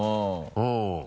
うん。